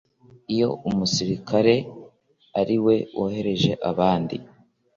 Iyo umusirikare ari we woheje abandi